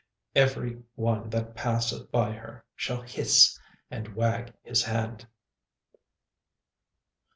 every one that passeth by her shall hiss, and wag his hand.